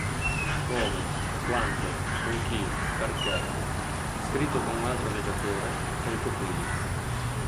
Come, quando, con chi, perché," scritto con un altro viaggiatore, Folco Quilici.